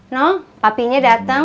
no papinya dateng